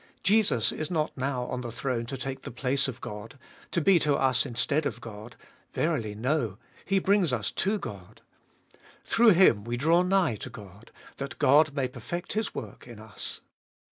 Jesus is not now on the throne to take the place of God, to be to us instead of God. Verily no ; He brings us to God. Through Him we draw nigh to God, that God may perfect His work in us.